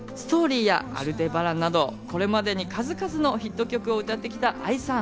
『Ｓｔｏｒｙ』や『アルデバラン』など、これまでに数々のヒット曲を歌ってきたＡＩさん。